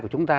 của chúng ta